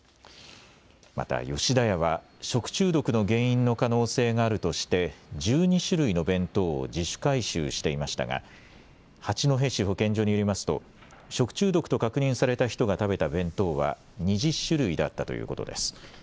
また吉田屋は食中毒の原因の可能性があるとして１２種類の弁当を自主回収していましたが八戸市保健所によりますと食中毒と確認された人が食べた弁当は２０種類だったということです。